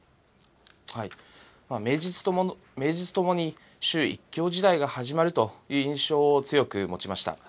名実ともに習１強時代が始まるという印象を強く持ちました。